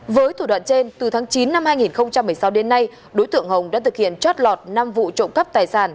với thủ đoạn trên từ tháng chín năm hai nghìn một mươi sáu đến nay đối tượng hồng đã thực hiện chót lọt năm vụ trộm cắp tài sản